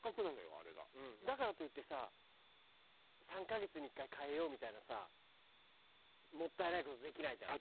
だからといってさ３カ月に１回替えようみたいなさもったいない事できないじゃん。